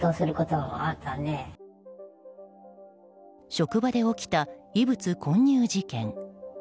職場で起きた異物混入事件。